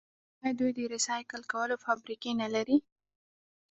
آیا دوی د ریسایکل کولو فابریکې نلري؟